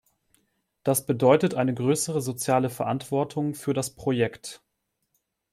Das bedeutet eine größere soziale Verantwortung für das Projekt.